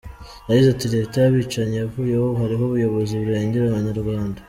Yagize ati “Leta y’abicanyi yavuyeho ubu hariho ubuyobozi burengera Abanyarwanda.